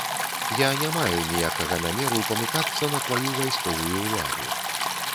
Я не маю ніякага намеру памыкацца на тваю вайсковую ўладу.